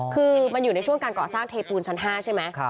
คือมันอยู่ในช่วงการก่อสร้างเทปูนชั้น๕ใช่ไหม